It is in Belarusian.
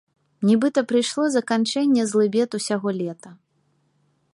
Нібыта прыйшло заканчэнне злыбед усяго лета.